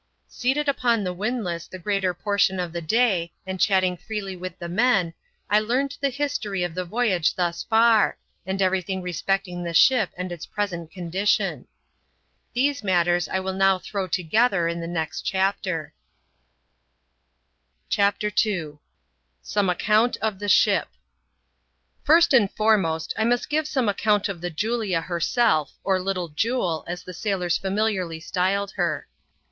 Seated upon the windlass the greater portion of the day, and chatting freely with the men, I learned the history of the voyage thus far, and every thing respecting the ship and its present condition. These matters I will now throw together in the next chapter. B 3 ADVENTURES IN THE SOUTH SEAS. [chap. n. CHAPTER II. Some Account of the Ship. First and foremost, I must give some account of the Julia herself, or " Little Jule," as the sailors femiliarly styled her.